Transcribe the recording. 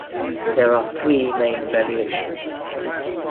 There are three main variations.